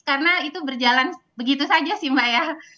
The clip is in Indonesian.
karena itu berjalan begitu saja sih mbak ya